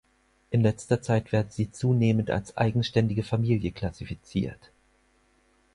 In letzter Zeit werden sie zunehmend als eigenständige Familie klassifiziert.